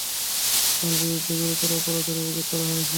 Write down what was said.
ওর বিরুদ্ধে গুরুতর অপরাধের অভিযোগ করা হয়েছে।